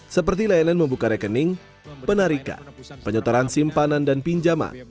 seperti layanan membuka rekening penarikan penyetoran simpanan dan pinjaman